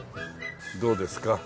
どうですか？